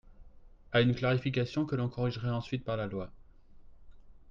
à une clarification que l’on corrigerait ensuite par la loi.